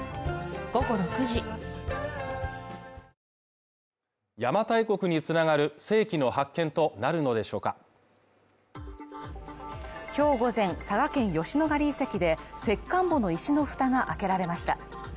ニトリ邪馬台国に繋がる世紀の発見となるのでしょうか今日午前、佐賀県吉野ヶ里遺跡で石棺墓の石の蓋が開けられました。